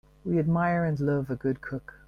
We admire and love a good cook.